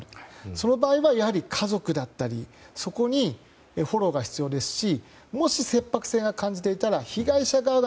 その場合は、家族であったりそこにフォローが必要ですしもし、切迫性が感じていたら被害者側が。